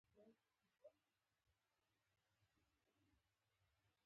د بانک له لارې د دولتي عوایدو راټولول اسانه دي.